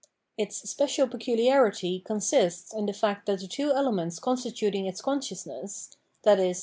Its special peculiarity consists in the fact that the two elements constituting its consciousness — viz.